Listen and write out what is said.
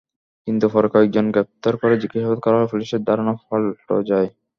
কিন্তু পরে কয়েকজনকে গ্রেপ্তার করে জিজ্ঞাসাবাদ করা হলে পুলিশের ধারণা পাল্ট যায়।